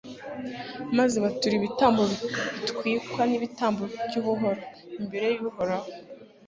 maze batura ibitambo bitwikwa n'ibitambo by'ubuhoro, imbere y'uhoraho